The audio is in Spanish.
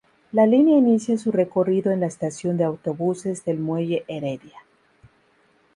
La línea inicia su recorrido en la estación de autobuses del Muelle Heredia.